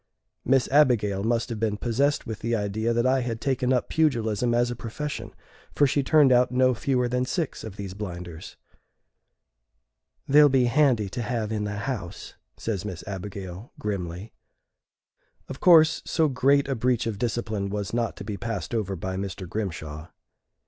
Miss Abigail must have been possessed with the idea that I had taken up pugilism as a profession, for she turned out no fewer than six of these blinders. "They'll be handy to have in the house," says Miss Abigail, grimly. Of course, so great a breach of discipline was not to be passed over by Mr. Grimshaw.